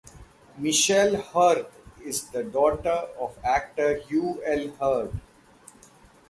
Michelle Hurd is the daughter of actor Hugh L. Hurd.